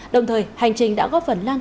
đồng thời hành trình đã góp phần lan